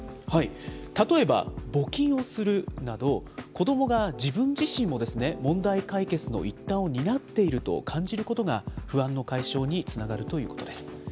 例えば、募金をするなど、子どもが自分自身も問題解決の一端を担っていると感じることが、不安の解消につながるということです。